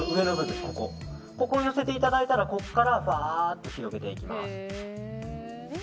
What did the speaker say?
ここにのせていただいたらここからふわっと広げていきます。